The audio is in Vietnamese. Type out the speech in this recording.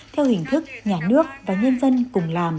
theo hình thức nhà nước và nhân dân cùng làm